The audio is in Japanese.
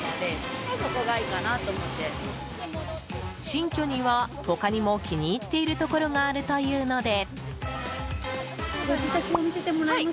新居には他にも気に入っているところがあるというので。